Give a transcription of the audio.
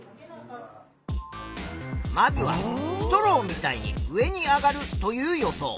まずは「ストローみたいに上に上がる」という予想。